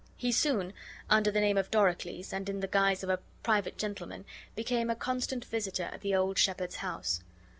He soon, under the name of Doricles, and in the disguise of a private gentleman, became a constant visitor at the old shepherd's house.